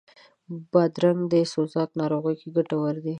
بادرنګ د سوزاک ناروغي کې ګټور دی.